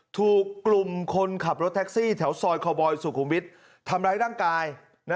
ถูกกลุ่มคนขับเท็กซี่แถวซอยคอร์บอยด์สุขุมวิทธรรมรายร่างกาย